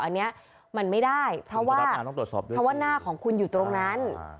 อันนี้มันไม่ได้เพราะว่าหน้าของคุณอยู่ตรงนั้น